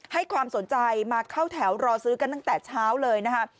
ให้ความสนใจมาเข้าแถวรอซื้อกันตั้งแต่เช้าเลยนะคะ